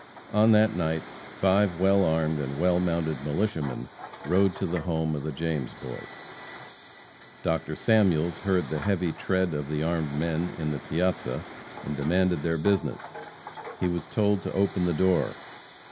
On that night, five well armed and well mounted militiamen rode to the home of the James Boys. Dr. Samuels heard the heavy tread of the armed men on the piazza, and demanded their business. He was told to open the door.